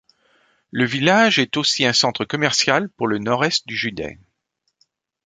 Le village st aussi un centre commercial pour le nord-est du județ.